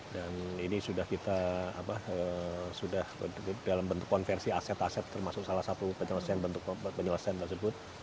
dan ini sudah kita sudah dalam bentuk konversi aset aset termasuk salah satu penyelesaian tersebut